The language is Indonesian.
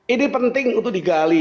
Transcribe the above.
ini penting untuk digali